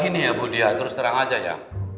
ini ya bu dia terus terang aja ya